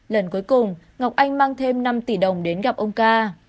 lần cuối cùng ngọc anh mang thêm năm tỷ đồng đến gặp ông ca